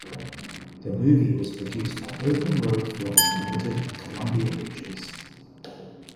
The movie was produced by Open Road Films Limited and Columbia Pictures.